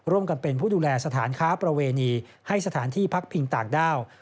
ร่วมกันเป็นผู้ดูแลสถานค้าประเวณีให้สถานที่พักพิงต่างด้าว